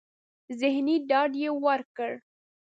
ذهني ډاډ يې ورکړ.